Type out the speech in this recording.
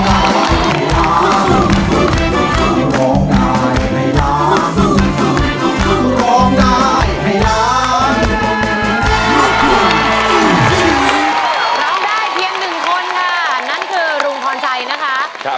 ก็เราได้เพียงหนึ่งคนน่ะนั้นคือลุงคลอนใจนะคะ